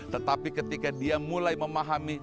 tetapi ketika dia mulai memahami